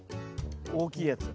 大きいやつ。